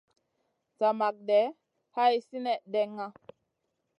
Zamagé day hay sinèh ɗenŋa.